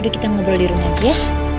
udah kita ngobrol di rumah aja